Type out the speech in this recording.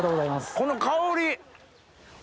この香り！